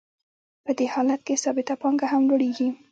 په دې حالت کې ثابته پانګه هم لوړېږي